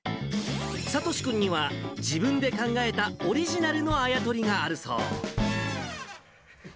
聡志君には、自分で考えたオリジナルのあや取りがあるそう。